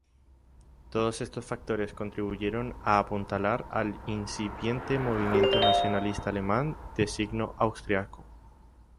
Todo estos factores contribuyeron a apuntalar al incipiente movimiento nacionalista alemán de signo austriaco.